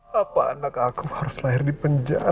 apa anak aku harus lahir di penjara